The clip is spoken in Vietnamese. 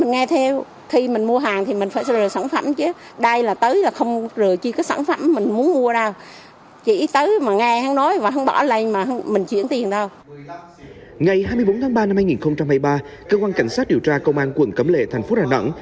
ngày hai mươi bốn tháng ba năm hai nghìn hai mươi ba cơ quan cảnh sát điều tra công an quận cẩm lệ thành phố đà nẵng